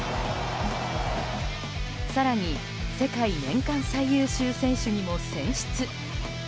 更に世界年間最優秀選手にも選出。